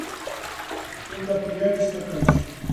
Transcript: Onde apoiar esta causa?